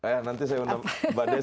ya nanti saya undang mbak desy ke